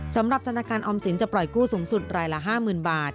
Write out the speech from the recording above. สำหรับธนาคารออมสินจะปล่อยกู้สูงสุดรายละ๕๐๐๐บาท